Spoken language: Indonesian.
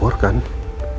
berkutu sama ter moralityan